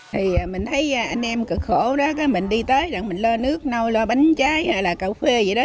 thì mình thấy anh em cực khổ đó mình đi tới mình lo nước nấu lo bánh trái hay là cà phê vậy đó